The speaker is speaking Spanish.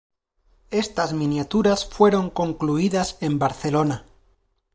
Estas miniaturas fueron concluidas en Barcelona.